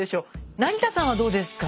成田さんはどうですか？